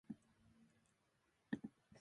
君のことを忘れられない